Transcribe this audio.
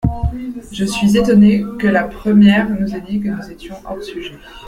Je suis étonnée que la première nous ait dit que nous étions hors sujet.